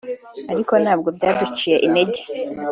ariko ntabwo byaduciye intege